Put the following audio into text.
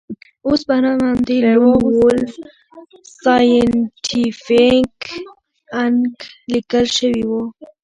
اوس ورباندې لون وولف سایینټیفیک انک لیکل شوي وو